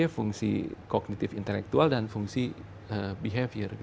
fungsi kognitif intelektual dan fungsi behavior